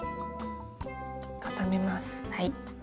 固めます。